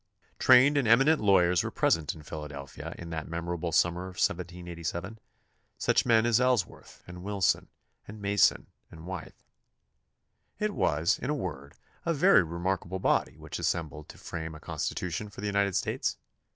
Trained and eminent lawyers were present in Philadelphia in that memorable summer of 1787, such men as Ells worth and Wilson and Mason and Wythe. It was, in a word, a very remarkable body which assembled to frame a constitution for the United States.